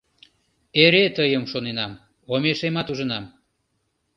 Эре тыйым шоненам, омешемат ужынам